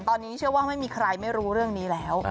ตอนนี้เชื่อว่าไม่มีใครไม่รู้เรื่องนี้แล้ว